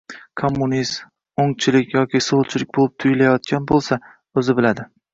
kommunistik, o‘ngchilik yoki so‘lchilik bo‘lib tuyulayotgan bo‘lsa, o‘zi biladi –